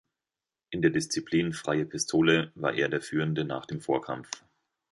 In der Disziplin Freie Pistole war er der Führende nach dem Vorkampf.